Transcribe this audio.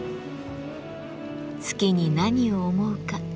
月に何を思うか。